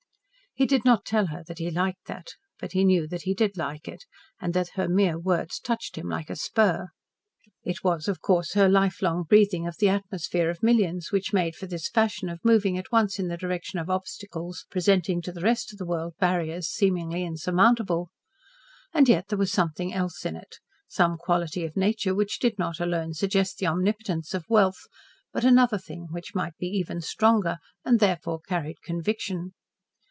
He did not tell her that he liked that, but he knew that he did like it and that her mere words touched him like a spur. It was, of course, her lifelong breathing of the atmosphere of millions which made for this fashion of moving at once in the direction of obstacles presenting to the rest of the world barriers seemingly insurmountable. And yet there was something else in it, some quality of nature which did not alone suggest the omnipotence of wealth, but another thing which might be even stronger and therefore carried conviction.